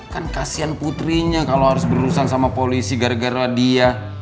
kan kasian putrinya kalau harus berurusan sama polisi gara gara dia